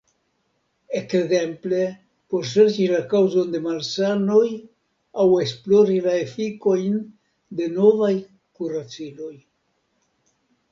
Ekzemple por serĉi la kaŭzon de malsanoj aŭ esplori la efikojn de novaj kuraciloj.